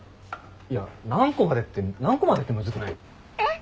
いや何個までって何個までってむずくない？えっ！？